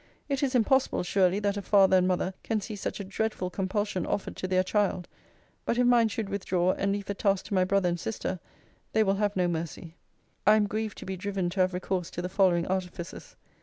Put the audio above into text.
It is impossible, surely, that a father and mother can see such a dreadful compulsion offered to their child but if mine should withdraw, and leave the task to my brother and sister, they will have no mercy. I am grieved to be driven to have recourse to the following artifices.